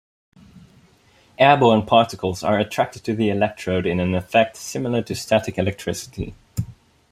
Airborne particles are attracted to the electrode in an effect similar to static electricity.